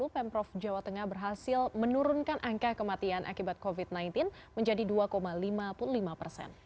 pemprov jawa tengah berhasil menurunkan angka kematian akibat covid sembilan belas menjadi dua lima puluh lima persen